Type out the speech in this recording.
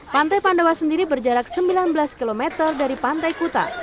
pantai pandawa sendiri berjarak sembilan belas km dari pantai kuta